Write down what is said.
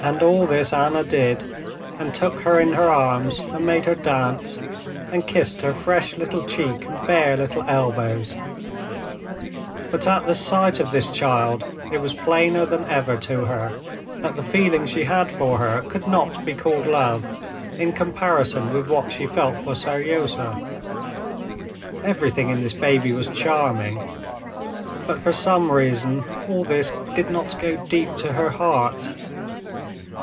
And all this Anna did, and took her in her arms and made her dance, and kissed her fresh little cheek and bare little elbows; but at the sight of this child it was plainer than ever to her that the feeling she had for her could not be called love in comparison with what she felt for Seryozha. Everything in this baby was charming, but for some reason all this did not go deep to her heart.